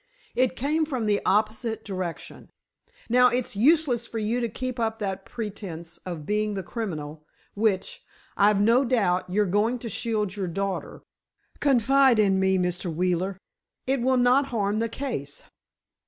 It came from the opposite direction. Now it's useless for you to keep up that pretence of being the criminal, which, I've no doubt, you're doing to shield your daughter. Confide in me, Mr. Wheeler, it will not harm the case."